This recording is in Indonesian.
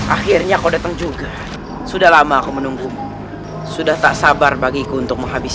akhirnya kau datang juga sudah lama aku menunggumu sudah tak sabar bagiku untuk menghabiskan